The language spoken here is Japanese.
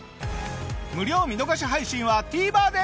無料見逃し配信はＴＶｅｒで！